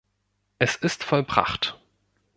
Es ist vollbracht.